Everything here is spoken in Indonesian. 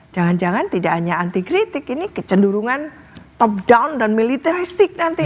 jangan jangan tidak hanya anti kritik ini kecenderungan top down dan militeristik nanti